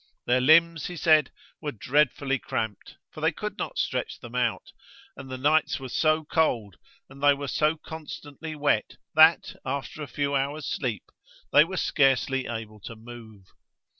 Their limbs, he says, were dreadfully cramped, for they could not stretch them out; and the nights were so cold, and they were so constantly wet, that, after a few hours' sleep, they were scarcely able to move.